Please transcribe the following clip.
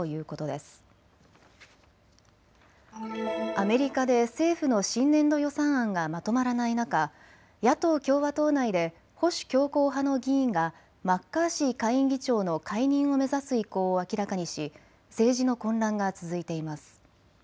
アメリカで政府の新年度予算案がまとまらない中、野党・共和党内で保守強硬派の議員がマッカーシー下院議長の解任を目指す意向を明らかにし政治の混乱が続いています。